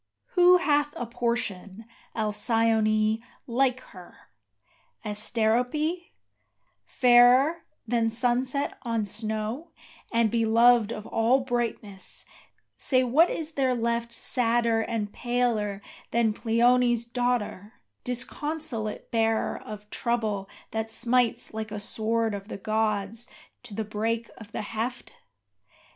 Who hath a portion, Alcyone, like her? Asterope, fairer Than sunset on snow, and beloved of all brightness, say what is there left Sadder and paler than Pleione's daughter, disconsolate bearer Of trouble that smites like a sword of the gods to the break of the heft?